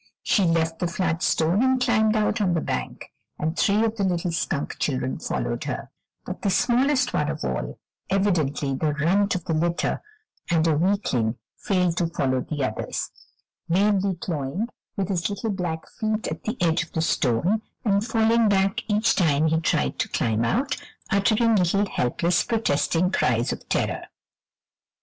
She left the flat stone and climbed out on the bank, and three of the little skunk children followed her, but the smallest one of all, evidently the "runt" of the litter, and a weakling, failed to follow the others, vainly clawing with his little black feet at the edge of the stone, and falling back each time he tried to climb out, uttering little helpless, protesting cries of terror.